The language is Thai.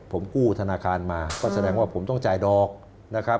ผมกู้ธนาคารมาก็แสดงว่าผมต้องจ่ายดอกนะครับ